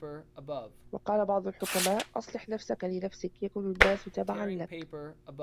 وَقَالَ بَعْضُ الْحُكَمَاءِ أَصْلِحْ نَفْسَك لِنَفْسِك يَكُنْ النَّاسُ تَبَعًا لَك